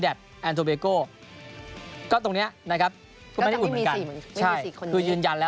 อันนี้มันเป็นทางใดที่มันจะอยู่ไหล